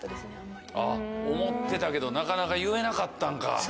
思ってたけどなかなか言えなかったんか。